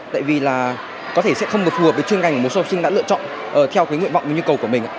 tại vì là có thể sẽ không được phù hợp với chuyên ngành mà một số học sinh đã lựa chọn theo nguyện vọng như nhu cầu của mình